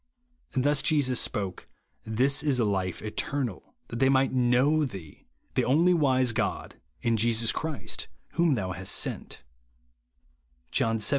Thus Jesus spoke, " This is life eternal, that they might know thee, the only wise God, and Jesus Christ whom thou hast sent," (John xvii.